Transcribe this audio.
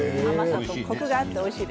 コクがあっておいしい。